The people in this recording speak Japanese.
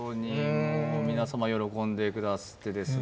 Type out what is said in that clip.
もう皆様喜んでくだすってですね。